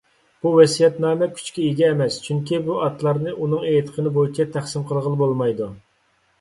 بۇ ۋەسىيەتنامە كۈچكە ئىگە ئەمەس، چۈنكى بۇ ئاتلارنى ئۇنىڭ ئېيتىقىنى بويىچە تەقسىم قىلغىلى بولمايدۇ.